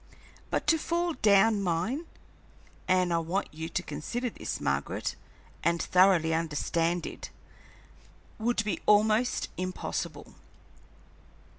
But to fall down mine and I want you to consider this, Margaret, and thoroughly understand it would be almost impossible.